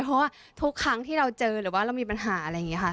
เพราะว่าทุกครั้งที่เราเจอหรือว่าเรามีปัญหาอะไรอย่างนี้ค่ะ